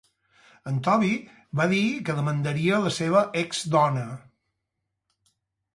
En Toby va dir que demandaria la seva exdona.